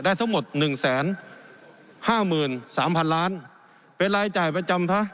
ได้ทั้งหมดหนึ่งแสนห้าหมื่นสามพันล้านเป็นรายจ่ายประจำพะ